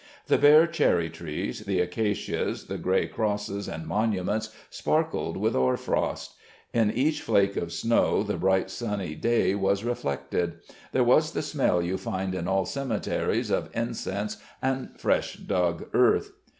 The bare cherry trees, the acacias, the grey crosses and monuments sparkled with hoar frost. In each flake of snow the bright sunny day was reflected. There was the smell you find in all cemeteries of incense and fresh dug earth.